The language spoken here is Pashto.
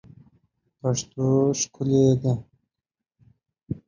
پښتو ښکلې ده